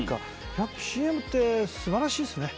やっぱＣＭって素晴らしいっすね。